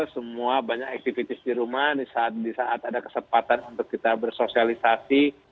semua banyak activis di rumah di saat ada kesempatan untuk kita bersosialisasi